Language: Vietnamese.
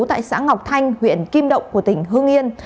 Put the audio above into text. tại xã ngọc thanh huyện kim động của tỉnh hương yên